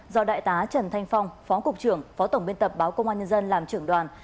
do đại tá trần thanh phong phó cục trưởng phó tổng biên tập báo công an nhân dân làm trưởng đoàn